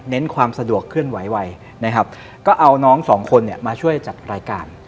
ความสะดวกเคลื่อนไหวไวนะครับก็เอาน้องสองคนเนี่ยมาช่วยจัดรายการ